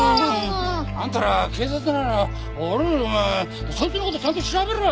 あんたら警察なら俺よりお前そいつの事ちゃんと調べろよ。